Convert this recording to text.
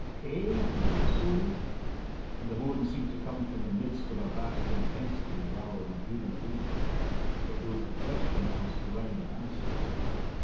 "Eh?" he said slowly, and the moan seemed to come from the midst of a vast intensity rather than a human being. It was the question that must grind an answer.